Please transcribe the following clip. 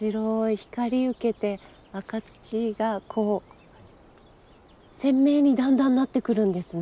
光受けて赤土がこう鮮明にだんだんなってくるんですね。